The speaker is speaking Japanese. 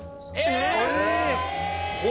えっ⁉